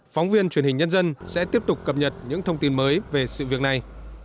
phóng viên truyền hình nhân dân sẽ tiếp tục cập nhật những thông tin mới về sự việc này